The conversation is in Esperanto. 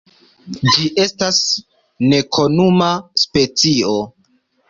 Ĝi estas nekomuna specio.